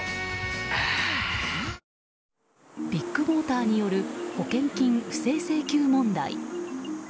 あぁビッグモーターによる保険金不正請求問題。